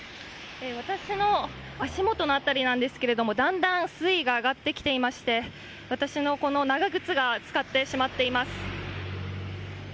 私の足元ですがだんだん水位が上がってきていまして私の長靴が浸かってしまっています。